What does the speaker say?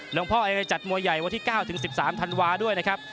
หลวงพ่อเองก็จัดมวยใหญ่วันที่๙ถึง๑๓ธันวาด้วยนะครับ